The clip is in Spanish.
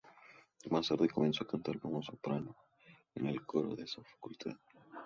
Más tarde, comenzó a cantar como soprano en el coro de esa facultad.